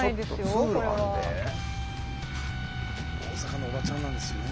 大阪のおばちゃんなんですよね。